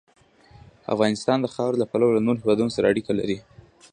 افغانستان د خاوره له پلوه له نورو هېوادونو سره اړیکې لري.